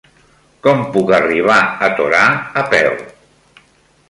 Com puc arribar a Torà a peu?